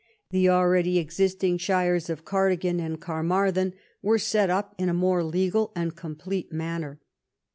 The already existing shires of Cardigan and Carmarthen were set up in a more legal and complete manner.